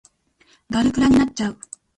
ガルプラになっちゃう